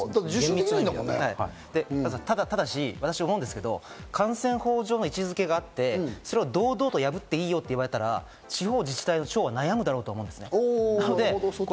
加藤さん、ただし私思うんですけど感染法上の位置付けがあって、それを堂々とやぶっていいよと言われたら地方自治体の長は悩むと思います。